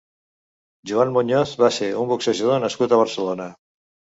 Juan Muñoz va ser un boxejador nascut a Barcelona.